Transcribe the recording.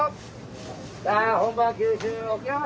さあ本場の九州沖縄。